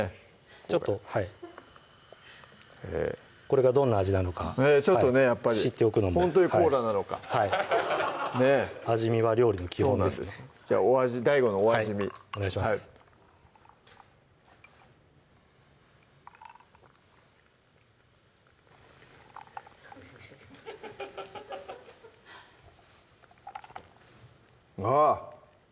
ちょっとはいこれがどんな味なのかちょっとねやっぱりほんとにコーラなのかはいねぇ味見は料理の基本ですねじゃあＤＡＩＧＯのお味見お願いしますあぁ！